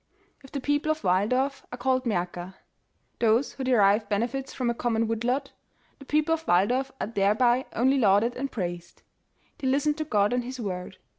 If the people of Waldorf f are called ''Maerker", (Those who derive benefits from a common wood lot) The people of Walldorf are thereby only lauded and praised. They listen to God and His word.